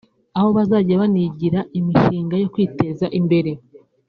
aho bazajya banigira imishinga yo kwiteza imbere